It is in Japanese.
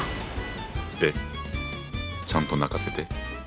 えっちゃんと泣かせて。